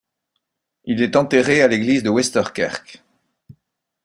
Il est enterré à l'église de Westerkerk.